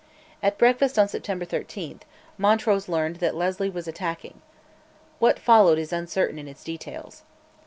At breakfast, on September 13, Montrose learned that Leslie was attacking. What followed is uncertain in its details.